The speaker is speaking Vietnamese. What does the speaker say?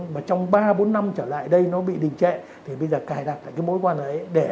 mà trong ba bốn năm trở lại đây nó bị đình trệ thì bây giờ cài đặt lại cái mối quan ấy để